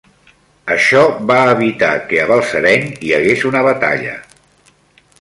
Això va evitar que a Balsareny hi hagués una batalla.